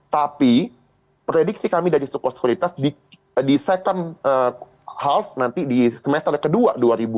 tapi prediksi kami dari suku sekuritas di second house nanti di semester kedua dua ribu dua puluh